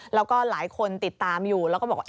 แล้วก็หลายคนติดตามอยู่แล้วก็บอกว่า